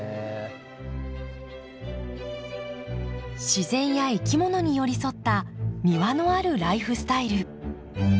自然や生きものに寄り添った「庭のあるライフスタイル」。